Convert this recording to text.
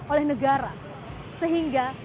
oleh negara sehingga